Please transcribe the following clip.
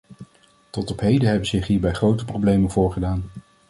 Tot op heden hebben zich hierbij grote problemen voorgedaan.